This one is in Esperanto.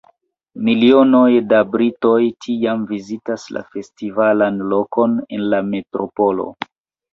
Milionoj da britoj tiam vizitis la festivalan lokon en la metropolo.